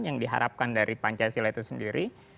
yang diharapkan dari pancasila itu sendiri